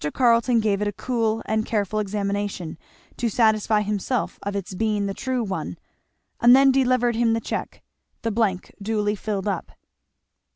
Carleton gave it a cool and careful examination, to satisfy himself of its being the true one; and then delivered him the cheque; the blank duly filled up.